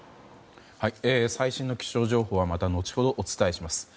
最新の気象情報はまた後ほどお伝えします。